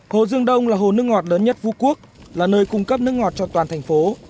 hồ dương đông là hồ nước ngọt lớn nhất phú quốc là nơi cung cấp nước ngọt cho toàn thành phố